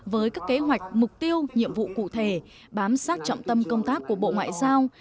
với các kế hoạch mục tiêu nhiệm vụ cụ thể bám sát trọng tâm công tác của bộ ngoại giao